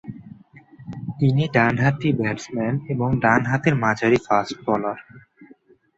তিনি ডানহাতি ব্যাটসম্যান এবং ডান হাতের মাঝারি ফাস্ট বোলার।